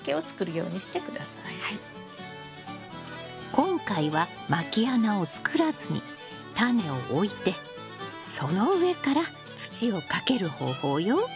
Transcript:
今回はまき穴を作らずにタネを置いてその上から土をかける方法よ。